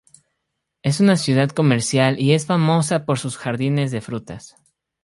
Es una ciudad comercial y es famosa por sus jardines de frutas.